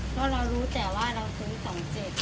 เพราะเรารู้แต่ว่าเราซื้อสองเจ็ด